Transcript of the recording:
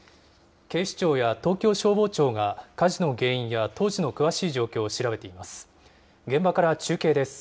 警視庁や東京消防庁が火事の原因や当時の詳しい状況を調べています。